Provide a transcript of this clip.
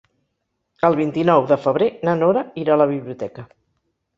El vint-i-nou de febrer na Nora irà a la biblioteca.